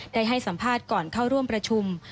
ได้ให้สัมภาษณ์ก่อนเข้าร่วมประชุม